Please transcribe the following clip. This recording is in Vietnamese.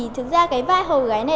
thực ra cái vai hầu gái này